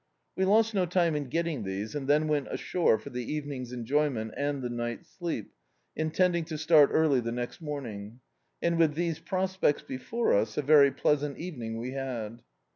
We lost no time in getting these, and then went ashore for the evening's enjoyment and the night's sleep, in tending to start early the next morning. And with these prospects before us, a very pleasant evening we had.